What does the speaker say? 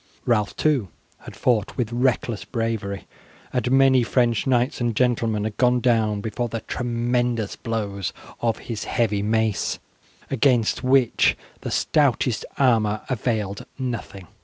Ralph too had fought with reckless bravery, and many French knights and gentlemen had gone down before the tremendous blows of his heavy mace, against which the stoutest armour availed nothing.